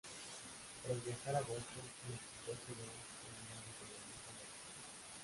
Tras viajar a Boston, el escritor quedó prendado con la música y aceptó.